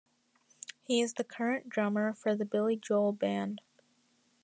He is the current drummer for The Billy Joel Band.